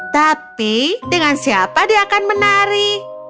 tapi dengan siapa dia akan menari